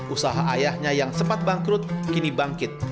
usaha ayahnya yang sempat bangkrut kini bangkit